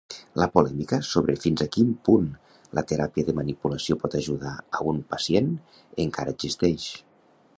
La polèmica sobre fins a quin punt la teràpia de manipulació pot ajudar a un pacient encara existeix.